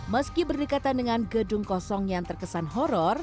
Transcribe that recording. meski berdekatan dengan gedung kosong yang terkesan horror